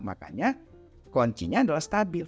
makanya kuncinya adalah stabil